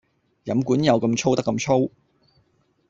飲管有咁粗得咁粗